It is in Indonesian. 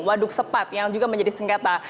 waduk sepat yang juga menjadi sengketa